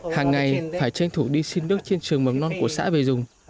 hàng ngày phải tranh thủ đi xin nước trên trường mầm non của xã về dùng